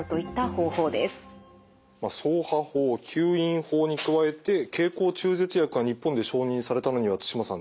掻爬法吸引法に加えて経口中絶薬が日本で承認されたのには対馬さん